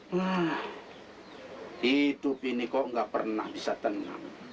hah hidup ini kok nggak pernah bisa tenang